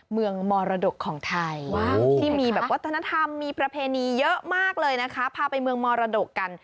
เมืองมรดกของไทยที่มีแบบวัฒนธรรมมีประเพณีเยอะมากเลยนะคะพาไปเมืองมรดกกัน